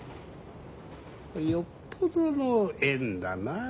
よっぽどの縁だなあ